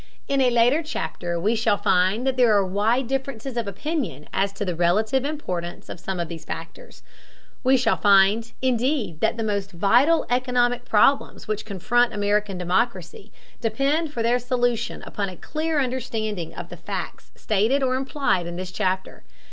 In a later chapter we shall find that there are wide differences of opinion as to the relative importance of some of these factors. We shall find, indeed, that the most vital economic problems which confront American democracy depend for their solution upon a clear understanding of the facts stated or implied in this chapter.